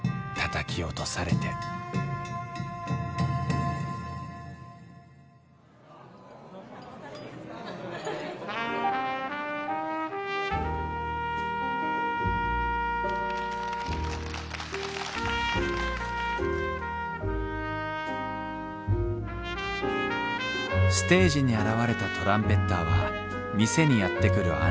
たたき落とされてステージに現れたトランペッターは店にやって来る